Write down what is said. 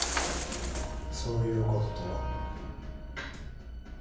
「そういう事」とは？